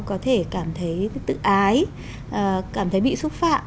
có thể cảm thấy tự ái cảm thấy bị xúc phạm